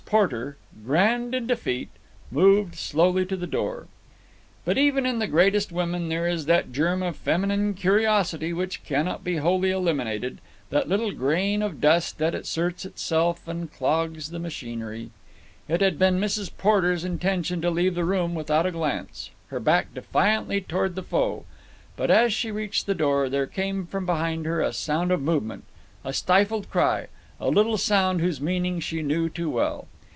Porter, grand in defeat, moved slowly to the door. But even in the greatest women there is that germ of feminine curiosity which cannot be wholly eliminated, that little grain of dust that asserts itself and clogs the machinery. It had been Mrs. Porter's intention to leave the room without a glance, her back defiantly toward the foe. But, as she reached the door, there came from behind her a sound of movement, a stifled cry, a little sound whose meaning she knew too well.